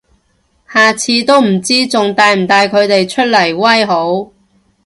下次都唔知仲帶唔帶佢哋出嚟威好